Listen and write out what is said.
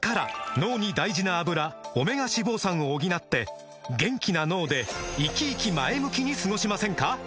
脳に大事な「アブラ」オメガ脂肪酸を補って元気な脳でイキイキ前向きに過ごしませんか？